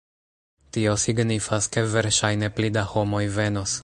Tio signifas, ke verŝajne pli da homoj venos